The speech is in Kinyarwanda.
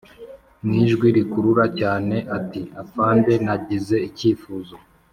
mwijwi rikurura cyane ati"afande nagize icyifuzo"